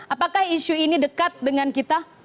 apakah isu ini dekat dengan kita